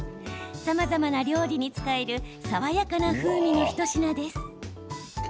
さまざまな料理に使える爽やかな風味の一品です。